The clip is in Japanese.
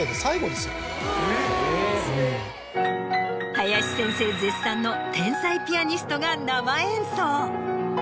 林先生絶賛の天才ピアニストが生演奏。